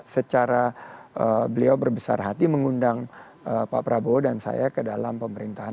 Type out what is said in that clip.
secara beliau berbesar hati mengundang pak prabowo dan saya ke dalam pemerintahan